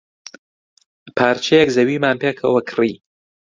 پارچەیەک زەویمان پێکەوە کڕی.